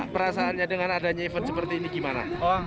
perasaannya dengan adanya event seperti ini gimana